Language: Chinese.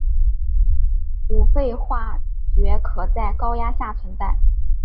五氟化铯可在高压下存在。